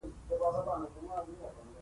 هېواد د زدهکوونکو ځواک دی.